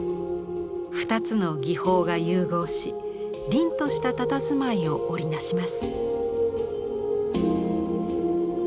２つの技法が融合し凛としたたたずまいを織り成します。